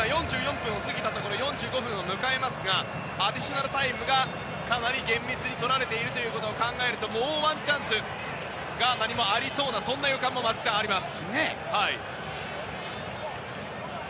まもなく４５分を迎えますがアディショナルタイムがかなり厳密にとられていることを考えるともうワンチャンスガーナにもありそうなそんな予感もあります。